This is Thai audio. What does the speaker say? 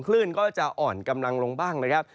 คลื่นก็จะอ่อนกำลังลงบ้างนะครับ